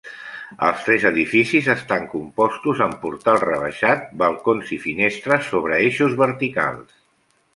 Els tres edificis estan composts amb portal rebaixat, balcons i finestres sobre eixos verticals.